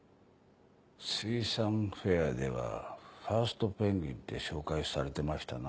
水産フェアではファーストペンギンって紹介されてましたな。